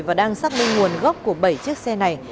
và đang xác minh nguồn gốc của bảy chiếc xe này